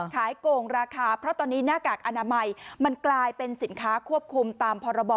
โกงราคาเพราะตอนนี้หน้ากากอนามัยมันกลายเป็นสินค้าควบคุมตามพรบ